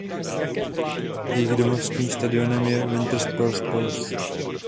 Jejich domovským stadionem je Winter Sports Palace.